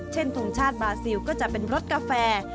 ทงชาติบาซิลก็จะเป็นรสกาแฟ